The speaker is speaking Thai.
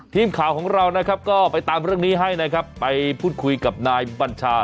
ทีมข่าวของเรานะครับก็ไปตามเรื่องนี้ให้นะครับไปพูดคุยกับนายบัญชา